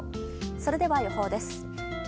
それでは、予報です。